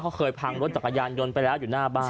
เขาเคยพังรถจักรยานยนต์ไปแล้วอยู่หน้าบ้าน